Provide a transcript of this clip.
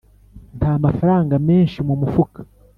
Ntamafaranga menshi mu mufuka,